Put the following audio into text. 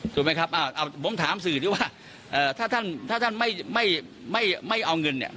ถูกไหมครับอ่าเอ่อผมถามสื่อที่ว่าเอ่อถ้าท่านถ้าท่านไม่ไม่ไม่ไม่เอาเงินเนี่ย